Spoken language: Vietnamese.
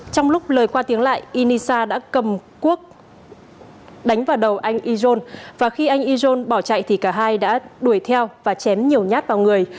trong lúc lời qua tiếng lại inisa đã cầm cuốc đánh vào đầu anh ijon và khi anh ijon bỏ chạy thì cả hai đã đuổi theo và chém nhiều nhát vào người